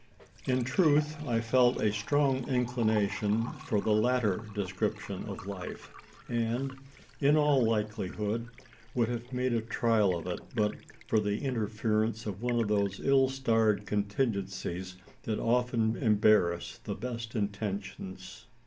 In truth, I felt a strong inclination for the latter description of life; and, in all likelihood, would have made a trial of it, but for the interference of one of those ill starred contingencies that often embarrass the best intentions.